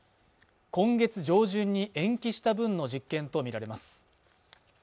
今月上旬に延期した分の実験と見られます